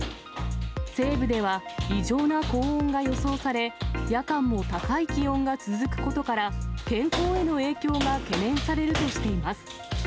西部では異常な高温が予想され、夜間も高い気温が続くことから、健康への影響が懸念されるとしています。